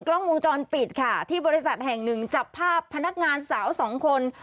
กล้องวงจรปิดค่ะที่บริษัทแห่งหนึ่งจับภาพพนักงานสาวสองคน